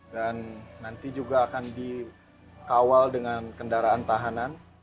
dan nanti juga akan dikawal dengan kendaraan tahanan